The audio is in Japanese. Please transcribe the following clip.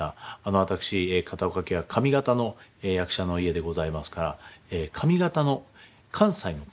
私片岡家は上方の役者の家でございますから上方の関西の手なんです。